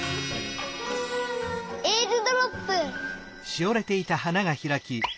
えーるドロップ！